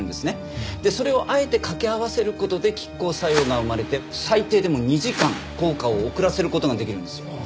それをあえて掛け合わせる事で拮抗作用が生まれて最低でも２時間効果を遅らせる事ができるんです。